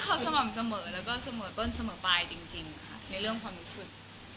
เขาสม่ำเสมอแล้วก็ต้นเสมอไปจริงในเรื่องความรู้สึก